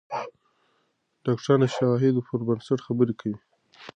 ډاکتران د شواهدو پر بنسټ خبرې کوي.